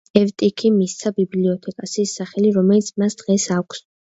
ევტიქიმ მისცა ბიბლიოთეკას ის სახე, რომელიც მას დღეს აქვს.